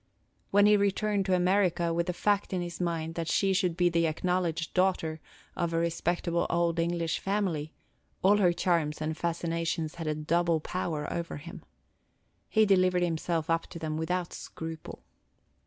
When he returned to America, with the fact in his mind that she would be the acknowledged daughter of a respectable old English family, all her charms and fascinations had a double power over him. He delivered himself up to them without scruple.